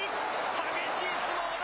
激しい相撲だ。